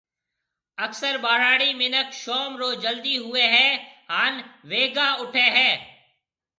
اڪثر ٻهراڙي منک شوم رو جلدي ۿوئي هي هان بيگا اوٺي هي